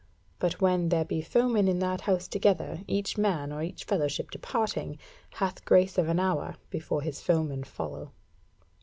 But when there be foemen in that house together, each man or each fellowship departing, hath grace of an hour before his foeman follow.